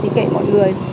thì kệ mọi người